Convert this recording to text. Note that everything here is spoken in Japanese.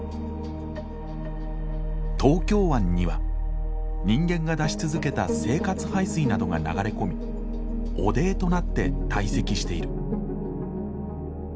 東京湾には人間が出し続けた生活排水などが流れ込み汚泥となって堆積している。